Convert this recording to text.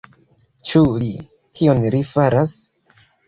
Ĉu li... kion li faras?